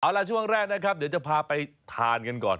เอาละช่วงแรกเดี๋ยวจะพาไปทานกันก่อน